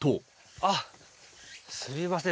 あっすみません